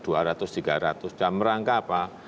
dan merangka apa